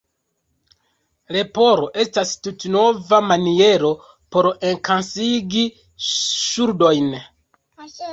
Leporo estas tute nova maniero por enkasigi ŝuldojn.